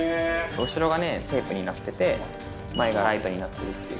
後ろがテープになってて前がライトになってるっていう。